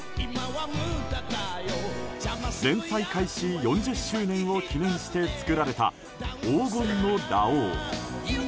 連載開始４０周年を記念して作られた黄金のラオウ。